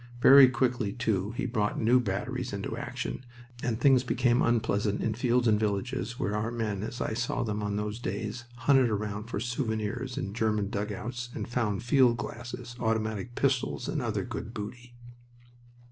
Very quickly, too, he brought new batteries into action, and things became unpleasant in fields and villages where our men, as I saw them on those days, hunted around for souvenirs in German dugouts and found field glasses, automatic pistols, and other good booty.